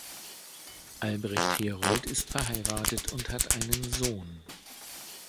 Albrecht Herold ist verheiratet und hat einen Sohn.